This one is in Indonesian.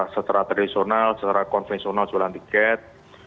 secara tradisional secara konvensional jualan tiket